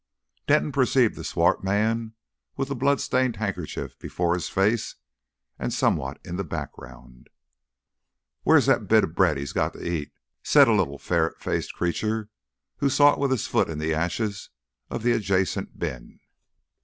Denton perceived the swart man with a blood stained handkerchief before his face, and somewhat in the background. "Where's that bit of bread he's got to eat?" said a little ferret faced creature; and sought with his foot in the ashes of the adjacent bin.